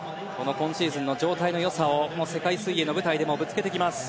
今シーズンの状態の良さを世界水泳の舞台でもぶつけてきます。